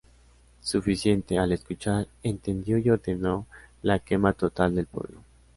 Suficiente, al escuchar entendió y ordenó la quema total del pueblo.